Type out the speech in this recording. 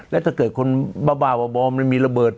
แล้วถ้าเกิดคนบ้ามันมีระเบิด